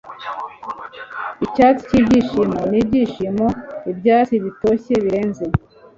icyatsi cyibyishimo nibyishimo, ibyatsi bitoshye birenze